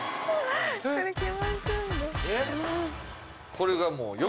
これがもう翌日？